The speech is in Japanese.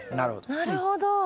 なるほど。